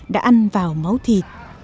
đã ăn vào máu thịt